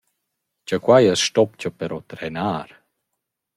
Cha quai as stopcha però trenar.